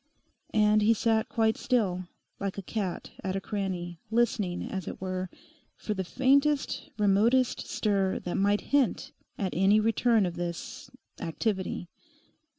And he sat quite still, like a cat at a cranny, listening, as it were, for the faintest remotest stir that might hint at any return of this—activity.